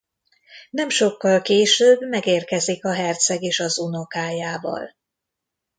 Nem sokkal később megérkezik a herceg is az unokájával.